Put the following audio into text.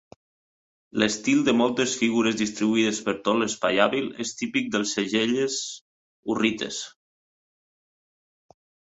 L'estil de moltes figures distribuïdes per tot l'espai hàbil és típic dels segells hurrites.